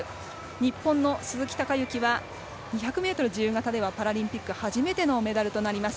日本の鈴木孝幸は２００ｍ自由形ではパラリンピック初めてのメダルとなります。